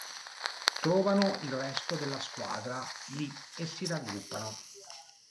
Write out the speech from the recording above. Trovano il resto della squadra lì e si raggruppano.